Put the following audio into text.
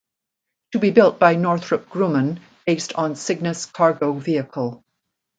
To be built by Northrop Grumman based on Cygnus cargo vehicle.